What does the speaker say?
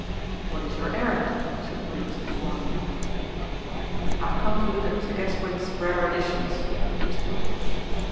"What is your errand?" said Briggs suavely. "I have come to look at Mr. Guestwick's rare editions," he was told.